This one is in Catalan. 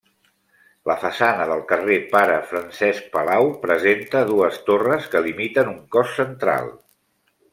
La façana del carrer Pare Francesc Palau presenta dues torres que limiten un cos central.